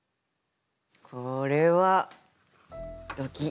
これはドキッ。